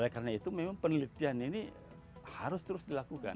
karena itu memang penelitian ini harus terus dilakukan